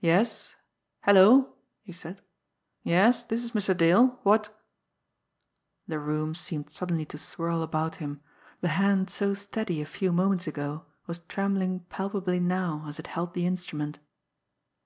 "Yes hello!" he said. "Yes, this is Mr. Dale. What " The room seemed suddenly to swirl about him the hand so steady a few moments ago was trembling palpably now as it held the instrument.